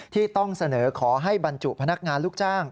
ที่ต้องเสนอขอให้บรรจุพนักงานลูกจ้าง